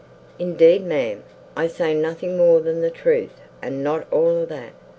"Indeed, ma'am, I say nothing more than the truth, and not all of that.